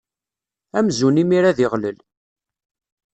Amzun imira d iɣlel.